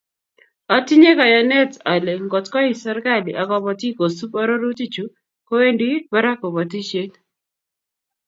Otinye kayanet ale ngotkoyai serkali ak kobotik kosub arorutichu kowendi barak kobotisiet